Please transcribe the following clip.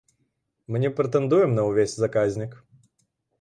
Мы не прэтэндуем на ўвесь заказнік.